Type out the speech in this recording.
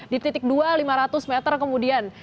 di titik dua lima ratus meter kemudian